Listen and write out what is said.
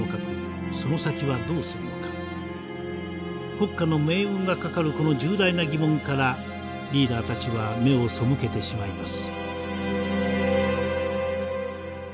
国家の命運が懸かるこの重大な疑問からリーダーたちは目を背けてしまいます。